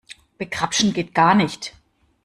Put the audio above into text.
Begrapschen geht gar nicht.